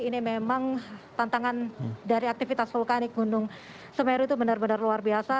ini memang tantangan dari aktivitas vulkanik gunung semeru itu benar benar luar biasa